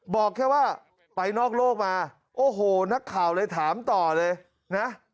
บอกแค่ว่าไปนอกโลกมาโอ้โหนักข่าวเลยถามต่อเลยนะ